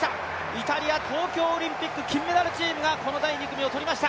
イタリア、東京オリンピック金メダルチームがこの第２組を取りました。